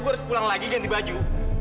gue harus pulang lagi ganti baju